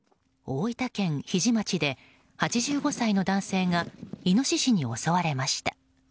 大分県日出町で８５歳の男性がイノシシに襲われました。